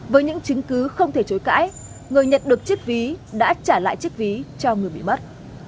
với những chứng cứ không thể chối cãi người nhận được chiếc ví đã trả lại chiếc ví cho người bị mất